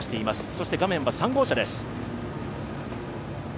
そして画面は３号車です。